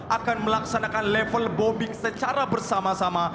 akan melaksanakan level bombing secara bersama sama